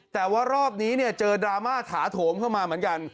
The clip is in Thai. แต่ว่ารอบนี้เจอดราม่าถาโถมเข้ามาเหมือนกัน